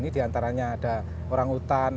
di antaranya ada orang hutan